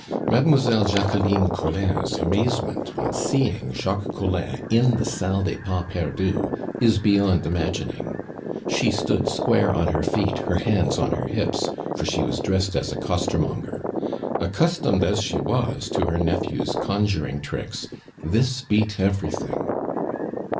Mademoiselle Jacqueline Collin's amazement on seeing Jacques Collin in the Salle des Pas Perdus is beyond imagining. She stood square on her feet, her hands on her hips, for she was dressed as a costermonger. Accustomed as she was to her nephew's conjuring tricks, this beat everything.